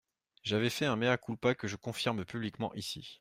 J’avais fait un mea culpa que je confirme publiquement ici.